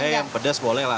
saya yang pedas boleh lah